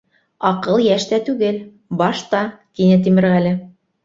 — Аҡыл йәштә түгел, башта, — тине Тимерғәле.